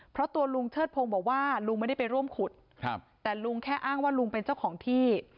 เพราะตัวลุงเชิดพงศ์บอกว่าลุงไม่ได้ไปร่วมขุดครับแต่ลุงแค่อ้างว่าลุงเป็นเจ้าของที่